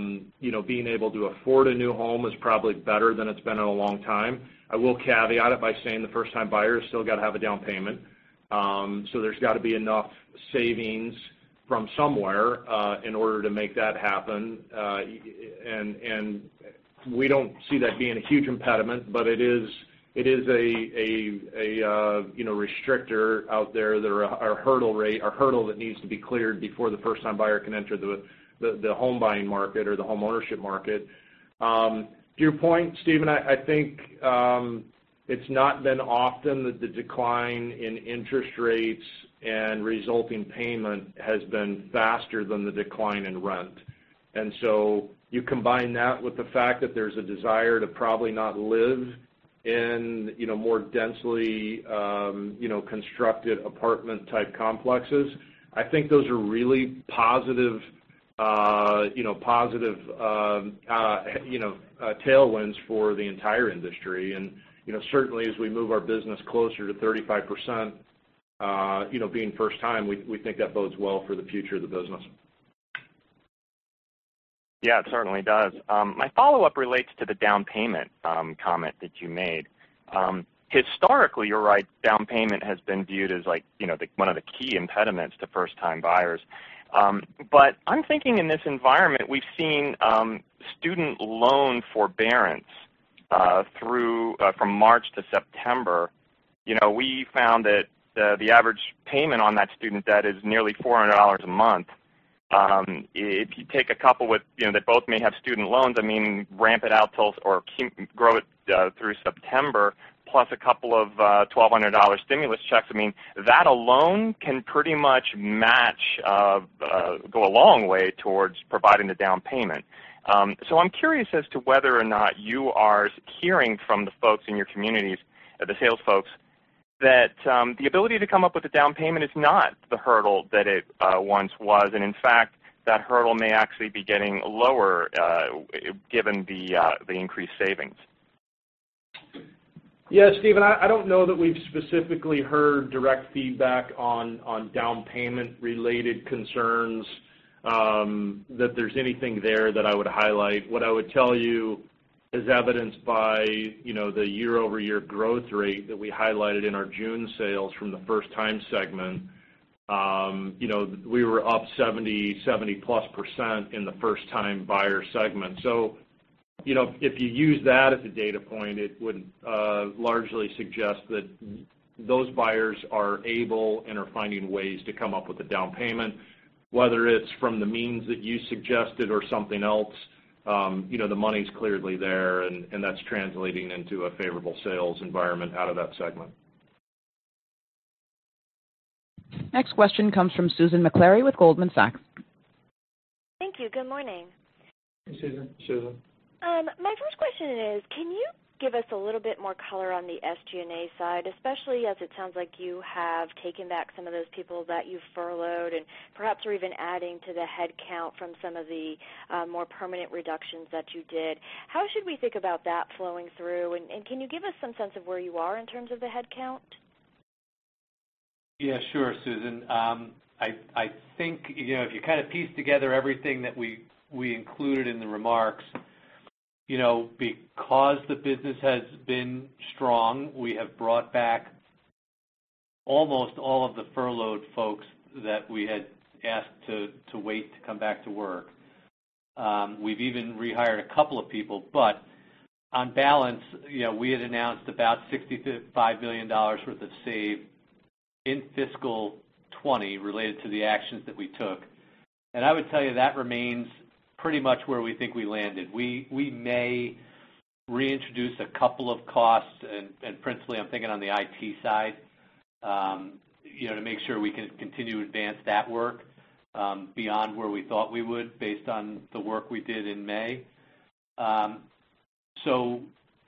being able to afford a new home is probably better than it's been in a long time. I will caveat it by saying the first-time buyer has still got to have a down payment. There's got to be enough savings from somewhere, in order to make that happen. We don't see that being a huge impediment, it is a restrictor out there, a hurdle that needs to be cleared before the first-time buyer can enter the home buying market or the home ownership market. To your point, Stephen, I think it's not been often that the decline in interest rates and resulting payment has been faster than the decline in rent. You combine that with the fact that there's a desire to probably not live in more densely constructed apartment-type complexes. I think those are really positive tailwinds for the entire industry. Certainly as we move our business closer to 35% being first time, we think that bodes well for the future of the business. Yeah, it certainly does. My follow-up relates to the down payment comment that you made. Historically, you're right, down payment has been viewed as one of the key impediments to first-time buyers. I'm thinking in this environment, we've seen student loan forbearance from March to September. We found that the average payment on that student debt is nearly $400 a month. If you take a couple that both may have student loans, ramp it out or grow it through September, plus a couple of $1,200 stimulus checks, that alone can pretty much go a long way towards providing the down payment. I'm curious as to whether or not you are hearing from the folks in your communities, the sales folks, that the ability to come up with a down payment is not the hurdle that it once was, and in fact, that hurdle may actually be getting lower given the increased savings. Yeah, Stephen, I don't know that we've specifically heard direct feedback on down payment-related concerns, that there's anything there that I would highlight. What I would tell you is evidenced by the year-over-year growth rate that we highlighted in our June sales from the first-time segment. We were up 70+% in the First-Time buyer segment. If you use that as a data point, it would largely suggest that those buyers are able and are finding ways to come up with a down payment, whether it's from the means that you suggested or something else. The money's clearly there, and that's translating into a favorable sales environment out of that segment. Next question comes from Susan Maklari with Goldman Sachs. Thank you. Good morning. Hey, Susan. My first question is, can you give us a little bit more color on the SG&A side, especially as it sounds like you have taken back some of those people that you furloughed, and perhaps are even adding to the headcount from some of the more permanent reductions that you did. How should we think about that flowing through, and can you give us some sense of where you are in terms of the headcount? Yeah, sure, Susan. I think, if you kind of piece together everything that we included in the remarks. The business has been strong, we have brought back almost all of the furloughed folks that we had asked to wait to come back to work. We've even rehired a couple of people. On balance, we had announced about $65 million worth of save in fiscal 2020 related to the actions that we took. I would tell you that remains pretty much where we think we landed. We may reintroduce a couple of costs, and principally, I'm thinking on the IT side, to make sure we can continue to advance that work beyond where we thought we would based on the work we did in May.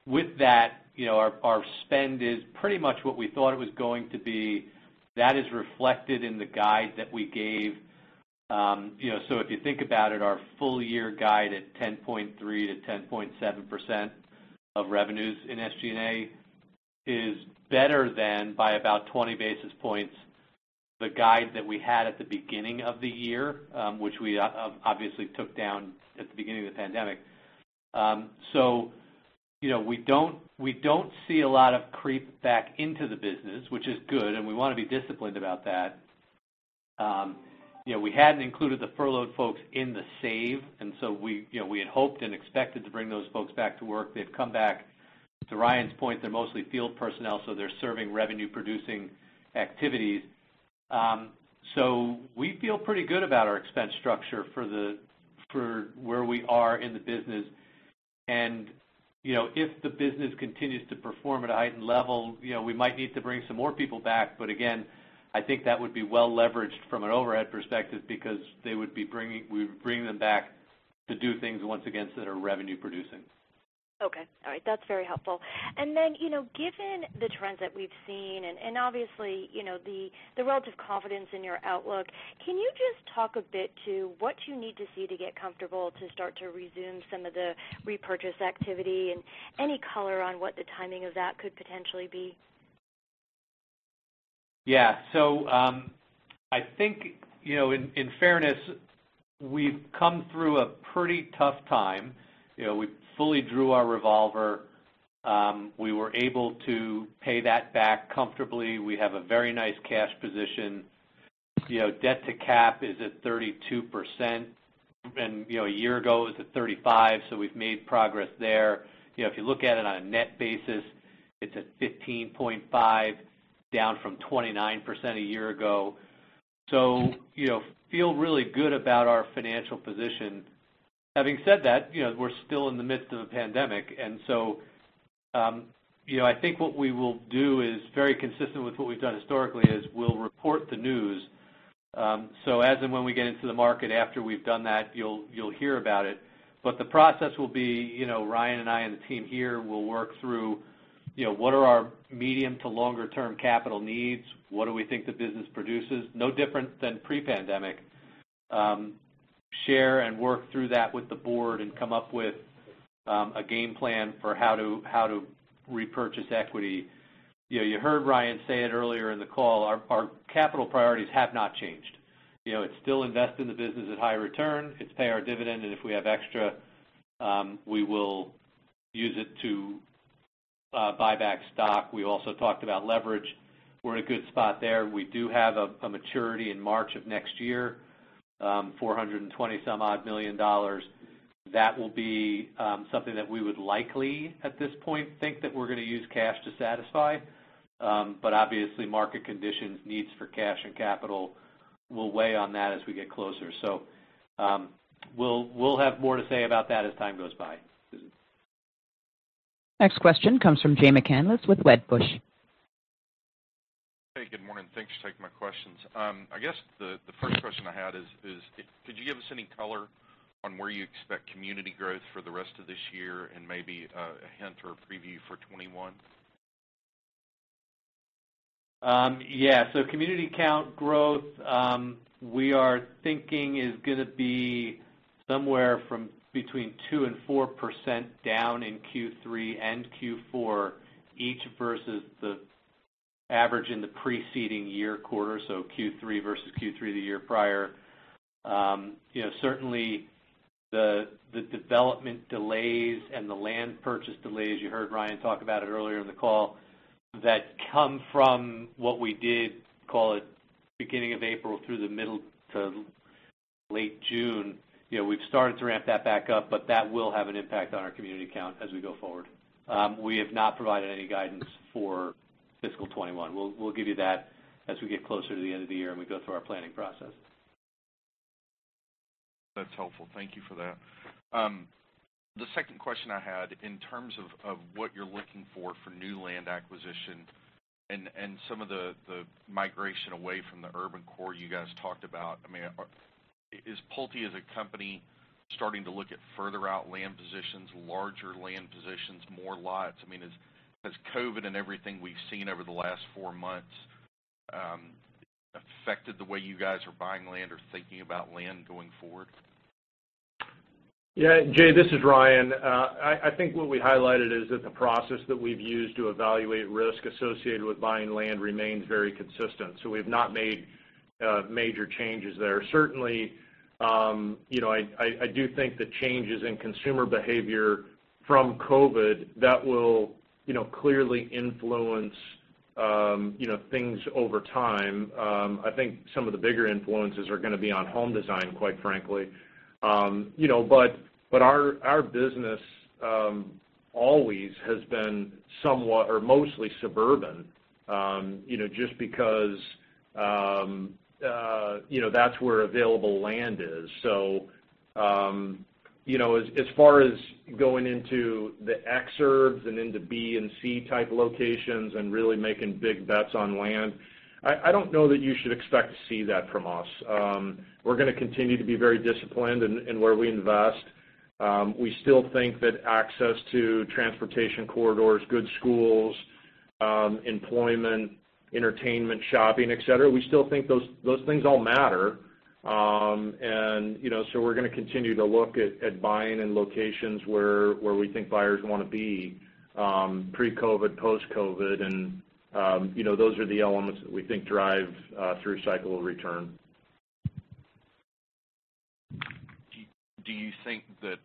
With that, our spend is pretty much what we thought it was going to be. That is reflected in the guide that we gave. If you think about it, our full-year guide at 10.3%-10.7% of revenues in SG&A is better than, by about 20 basis points, the guide that we had at the beginning of the year. Which we obviously took down at the beginning of the pandemic. We don't see a lot of creep back into the business, which is good, and we want to be disciplined about that. We hadn't included the furloughed folks in the save, we had hoped and expected to bring those folks back to work. They've come back. To Ryan's point, they're mostly field personnel, so they're serving revenue-producing activities. We feel pretty good about our expense structure for where we are in the business. If the business continues to perform at a heightened level, we might need to bring some more people back. Again, I think that would be well leveraged from an overhead perspective because we would bring them back to do things, once again, that are revenue producing. Okay. All right. That's very helpful. Given the trends that we've seen and obviously, the relative confidence in your outlook, can you just talk a bit to what you need to see to get comfortable to start to resume some of the repurchase activity, and any color on what the timing of that could potentially be? I think, in fairness, we've come through a pretty tough time. We fully drew our revolver. We were able to pay that back comfortably. We have a very nice cash position. Debt to cap is at 32%, and a year ago it was at 35%, so we've made progress there. If you look at it on a net basis, it's at 15.5%, down from 29% a year ago. Feel really good about our financial position. Having said that, we're still in the midst of a pandemic, and so, I think what we will do is very consistent with what we've done historically, is we'll report the news. As and when we get into the market after we've done that, you'll hear about it. The process will be Ryan and I and the team here will work through what are our medium to longer term capital needs. What do we think the business produces? No different than pre-pandemic. Share and work through that with the board and come up with a game plan for how to repurchase equity. You heard Ryan say it earlier in the call, our capital priorities have not changed. It's still invest in the business at high return. It's pay our dividend, and if we have extra, we will use it to buy back stock. We also talked about leverage. We're in a good spot there. We do have a maturity in March of next year, $420 million. That will be something that we would likely, at this point, think that we're going to use cash to satisfy. Obviously, market conditions, needs for cash and capital will weigh on that as we get closer. We'll have more to say about that as time goes by, Susan. Next question comes from Jay McCanless with Wedbush. Hey, good morning. Thanks for taking my questions. I guess the first question I had is could you give us any color on where you expect community growth for the rest of this year and maybe a hint or a preview for 2021? Yeah. Community count growth, we are thinking is going to be somewhere from between 2% and 4% down in Q3 and Q4 each, versus the average in the preceding year quarter. Q3 versus Q3 the year prior. Certainly, the development delays and the land purchase delays, you heard Ryan talk about it earlier in the call. That come from what we did, call it, beginning of April through the middle to late June. We've started to ramp that back up, but that will have an impact on our community count as we go forward. We have not provided any guidance for fiscal 2021. We'll give you that as we get closer to the end of the year and we go through our planning process. That's helpful. Thank you for that. The second question I had, in terms of what you're looking for new land acquisition and some of the migration away from the urban core you guys talked about. Is Pulte as a company starting to look at further out land positions, larger land positions, more lots? Has COVID and everything we've seen over the last four months affected the way you guys are buying land or thinking about land going forward? Yeah, Jay, this is Ryan. I think what we highlighted is that the process that we've used to evaluate risk associated with buying land remains very consistent. We've not made major changes there. Certainly, I do think the changes in consumer behavior from COVID-19, that will clearly influence things over time. I think some of the bigger influences are going to be on home design, quite frankly. Our business always has been somewhat, or mostly suburban, just because that's where available land is. As far as going into the exurbs and into B and C type locations and really making big bets on land, I don't know that you should expect to see that from us. We're going to continue to be very disciplined in where we invest. We still think that access to transportation corridors, good schools, employment, entertainment, shopping, et cetera, we still think those things all matter. We're going to continue to look at buying in locations where we think buyers want to be pre-COVID, post-COVID, and those are the elements that we think drive through cycle return. Do you think that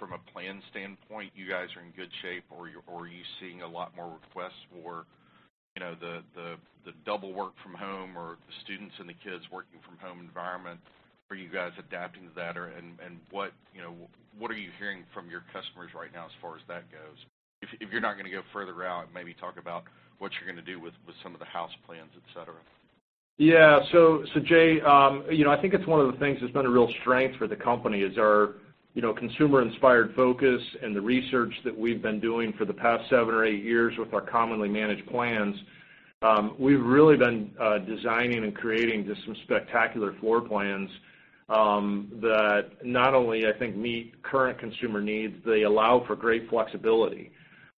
from a plan standpoint, you guys are in good shape, or are you seeing a lot more requests for the double work from home or the students and the kids working from home environment? Are you guys adapting to that, and what are you hearing from your customers right now as far as that goes? If you're not going to go further out, maybe talk about what you're going to do with some of the house plans, et cetera. Jay, I think it's one of the things that's been a real strength for the company is our consumer-inspired focus and the research that we've been doing for the past seven or eight years with our commonly managed plans. We've really been designing and creating just some spectacular floor plans that not only, I think, meet current consumer needs, they allow for great flexibility.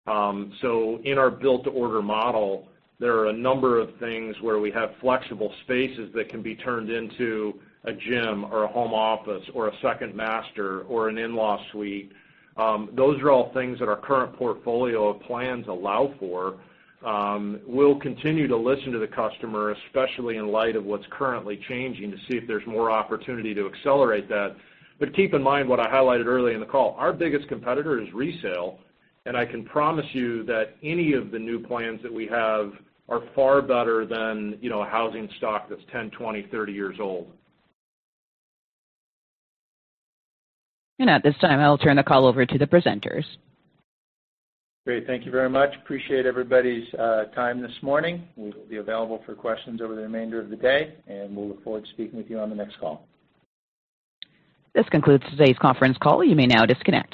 In our build-to-order model, there are a number of things where we have flexible spaces that can be turned into a gym or a home office or a second master or an in-law suite. Those are all things that our current portfolio of plans allow for. We'll continue to listen to the customer, especially in light of what's currently changing, to see if there's more opportunity to accelerate that. Keep in mind what I highlighted early in the call. Our biggest competitor is resale. I can promise you that any of the new plans that we have are far better than a housing stock that's 10, 20, 30 years old. At this time, I'll turn the call over to the presenters. Great. Thank you very much. Appreciate everybody's time this morning. We will be available for questions over the remainder of the day, we'll look forward to speaking with you on the next call. This concludes today's conference call. You may now disconnect.